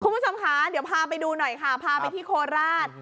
คุณผู้ชมค่ะเดี๋ยวพาไปดูหน่อยค่ะพาไปที่โคราช